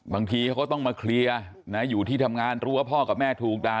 บางทีเขาก็ต้องมาเคลียร์นะอยู่ที่ทำงานรู้ว่าพ่อกับแม่ถูกด่า